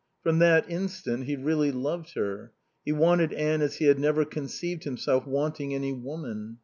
From that instant he really loved her. He wanted Anne as he had never conceived himself wanting any woman.